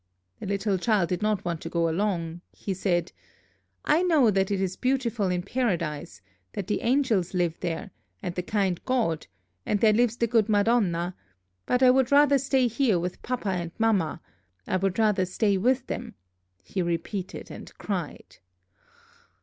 "The little child did not want to go along. He said: 'I know that it is beautiful in Paradise, that the angels live there, and the kind God, and there lives the good Madonna: but I would rather stay here with Papa and Mamma; I would rather stay with them!' he repeated, and cried."